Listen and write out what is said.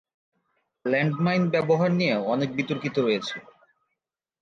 Land mine ব্যবহার নিয়ে অনেক বিতর্কিত রয়েছে।